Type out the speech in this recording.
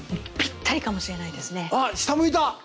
あっ下向いた！